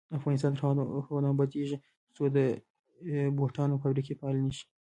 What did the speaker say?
افغانستان تر هغو نه ابادیږي، ترڅو د بوټانو فابریکې فعالې نشي.